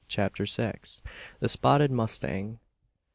CHAPTER SIX. THE SPOTTED MUSTANG.